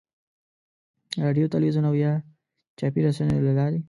رادیو، تلویزیون او یا چاپي رسنیو له لارې.